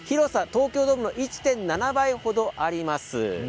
東京ドームの１．７倍程あります。